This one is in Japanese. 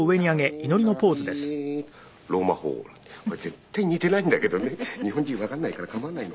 これ絶対似てないんだけどね日本人わかんないからかまわないの。